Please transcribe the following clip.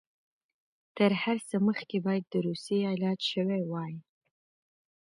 تر هر څه مخکې باید د روسیې علاج شوی وای.